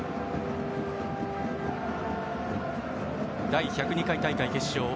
第１０２回大会決勝